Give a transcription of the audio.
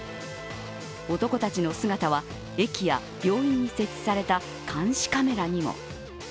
男たちの姿は駅や病院に設置された監視カメラにも。